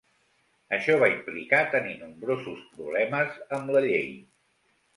Això va implicar tenir nombrosos problemes amb la llei.